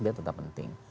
dia tetap penting